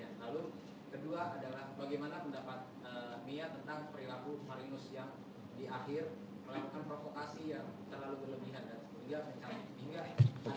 bagaimana yang tidak akan membantu